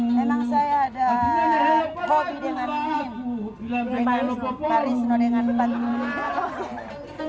memang saya ada hobi dengan film